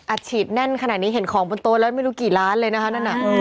ฉีดแน่นขนาดนี้เห็นของบนโต๊ะแล้วไม่รู้กี่ล้านเลยนะคะนั่นน่ะ